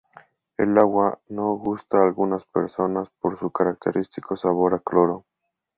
El agua no gusta a algunas personas por su característico sabor a cloro.